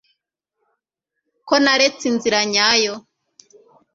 ko naretse inzira nyayo